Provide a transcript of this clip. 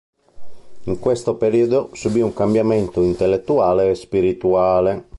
In questo periodo subì un cambiamento intellettuale e spirituale.